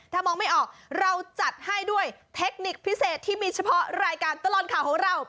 ถ้ามองไม่ออกเราจัดให้ด้วยเทคนิคพิเศษที่มีเฉพาะรายการตลอดข่าวของเรา